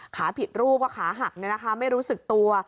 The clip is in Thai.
ผิดรูปว่าขาหักไม่รู้สึกตัว